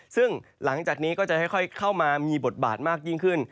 ซึ่งหลังจากนี้ก็จะค่อยเข้ามามีบทบาทมากยิ่งขึ้น